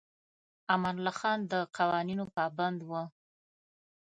امان الله خان د قوانینو پابند و.